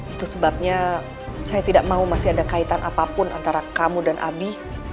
itu sebabnya saya tidak mau masih ada kaitan apapun antara kamu dan abi